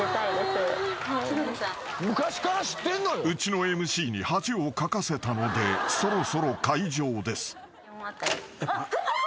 ［うちのＭＣに恥をかかせたのでそろそろ解錠です］